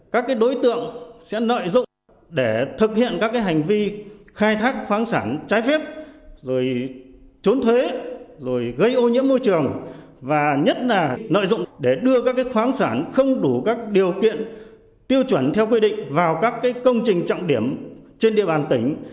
các đối tượng sẽ nợ dụng để thực hiện các hành vi khai thác khoáng sản trái phép rồi trốn thuế rồi gây ô nhiễm môi trường và nhất là lợi dụng để đưa các khoáng sản không đủ các điều kiện tiêu chuẩn theo quy định vào các công trình trọng điểm trên địa bàn tỉnh